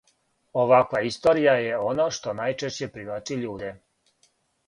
Оваква историја је оно што најчешће привлачи људе.